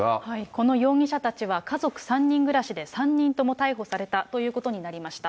この容疑者たちは家族３人暮らしで３人とも逮捕されたということになりました。